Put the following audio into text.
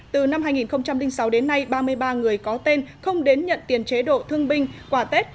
từ năm hai nghìn sáu đến nay ba mươi ba người có tên không đến nhận tiền chế độ thương binh quả tết